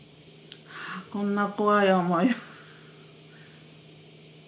こんな怖い思い。